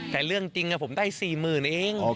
แต่เรื่องจริงผมได้๔๐๐๐เอง